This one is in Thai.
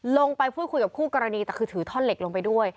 ลงไปพูดคุยกับคู่กรณีแต่คือถือท่อนเหล็กลงไปด้วย